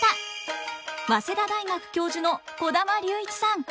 早稲田大学教授の児玉竜一さん。